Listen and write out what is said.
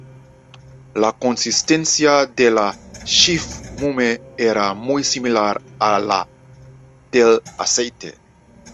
La consistencia de la Schiff-Mumme era muy similar a la del aceite.